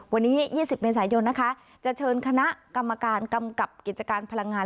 วันนี้๒๐เมษายนนะคะจะเชิญคณะกรรมการกำกับกิจการพลังงาน